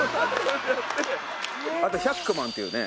あとヒャックマンっていうね